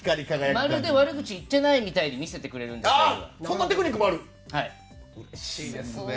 まるで悪口言ってないみたいに見せてくれるので、沙莉は。